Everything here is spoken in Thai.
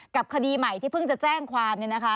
กับคดีใหม่ที่เพิ่งจะแจ้งความเนี่ยนะคะ